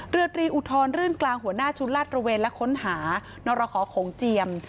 เรือตรีอุทรรื่นกลางหัวหน้าชุดลาดตระเวนและค้นหานรหอโขงเจียม